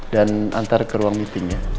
dan antar ke ruang meetingnya